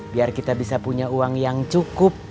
biar kita bisa punya uang yang cukup